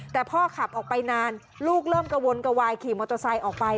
แต่พ่อขับออกไปนานลูกเริ่มกระวนกระวายขี่มอเตอร์ไซค์ออกไป